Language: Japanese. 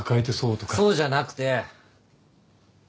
そうじゃなくて。